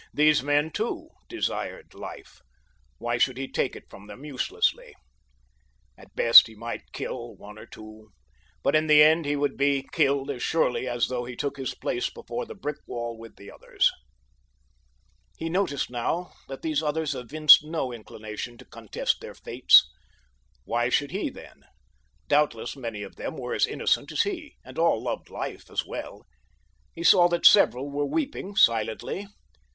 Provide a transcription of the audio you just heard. These men, too, desired life. Why should he take it from them uselessly? At best he might kill one or two, but in the end he would be killed as surely as though he took his place before the brick wall with the others. He noticed now that these others evinced no inclination to contest their fates. Why should he, then? Doubtless many of them were as innocent as he, and all loved life as well. He saw that several were weeping silently.